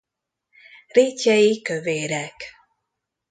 Rétjei kövérek.